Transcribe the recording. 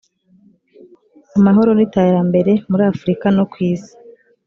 amahoro n iterambere muri afurika no ku isi